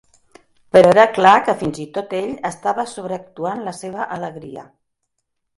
Però era clar que fins i tot ell estava sobreactuant la seva alegria.